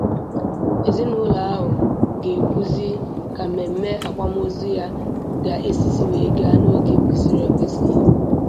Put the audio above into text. Ezinụlọ ahụ ga-ekwuzị ka mmemme akwmozu ya ga-esizị wee gaa n'oge kwesiri ekwesi.